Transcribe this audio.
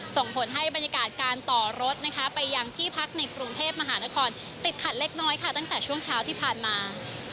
ส่งผลให้บรรยากาศการต่อรถนะคะไปยังที่พักในกรุงเทพมหานครติดขัดเล็กน้อยค่ะตั้งแต่ช่วงเช้าที่ผ่านมา